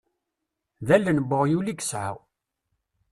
D allen n weɣyul i yesɛa.